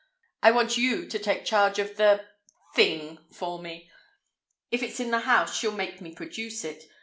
I want you to take charge of the—thing for me. If it's in the house she'll make me produce it.